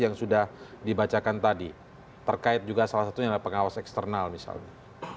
yang sudah dibacakan tadi terkait juga salah satunya adalah pengawas eksternal misalnya